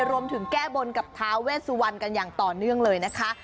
รวมถึงแก้บนกับท้าเวสวันกันอย่างต่อเนื่องเลยนะคะ